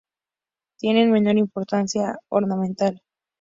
Tienen menor importancia ornamental.